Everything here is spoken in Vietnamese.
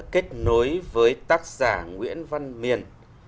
kết nối với tác giả nguyễn văn miền